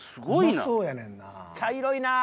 茶色いなあ。